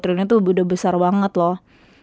lima ratus dua puluh dua triliun itu udah besar banget loh